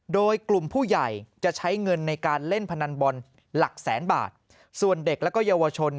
โดยกลุ่มผู้ใหญ่จะใช้เงินในการเล่นพนันบอลหลักแสนบาทส่วนเด็กและเยาวชน